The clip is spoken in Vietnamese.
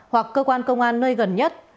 hoặc cơ quan công an nơi gần nhất